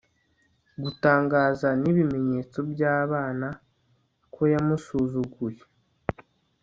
gutangaza n'ibimenyetso by'abana ko yamusuzuguye